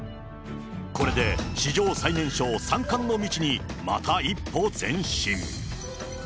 これで史上最年少三冠の道に、また一歩前進。